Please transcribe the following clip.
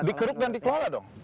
dikeruk dan dikeluarga dong